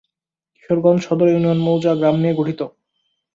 কিশোরগঞ্জ সদর ইউনিয়ন মৌজা/গ্রাম নিয়ে গঠিত।